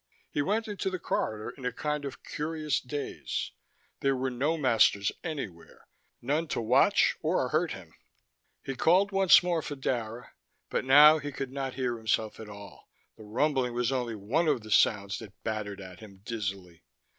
He went into the corridor in a kind of curious daze: there were no masters anywhere, none to watch or hurt him. He called once more for Dara, but now he could not hear himself at all: the rumbling was only one of the sounds that battered at him dizzily.